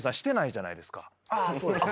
そうですね。